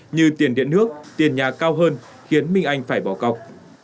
như tiền điện nước tiền nhà cao hơn khiến minh anh phải bỏ cọc